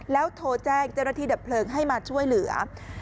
แล้วโทรแจ้งเจ้าหน้าที่ดับเพลิงให้มาช่วยเหลือ